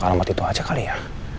ke alamat itu aja kali ya